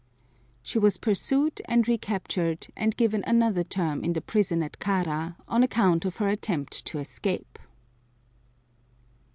She was pursued and recaptured, and given another term in the prison at Kara on account of her attempt to escape.